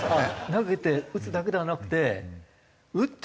投げて打つだけではなくて打って走る。